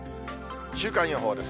週間予報です。